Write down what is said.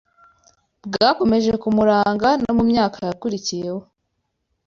bwakomeje kumuranga no mu myaka yakurikiyeho